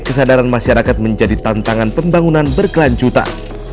kesadaran masyarakat menjadi tantangan pembangunan berkelanjutan